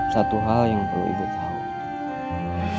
satu hal yang perlu ibu tahu